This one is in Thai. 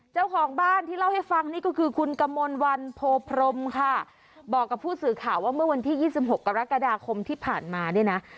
เจ้าของบ้านที่เล่าให้ฟังนี่ก็คือคุณกมลวันโพพรมค่ะบอกกับผู้สื่อข่าวว่าเมื่อวันที่ยี่สิบหกกรกฎาคมที่ผ่านมาเนี่ยนะ